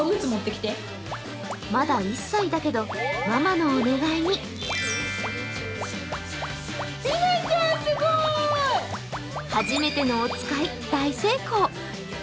まだ１歳だけどママのお願いにはじめてのおつかい、大成功！